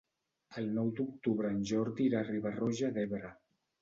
El nou d'octubre en Jordi irà a Riba-roja d'Ebre.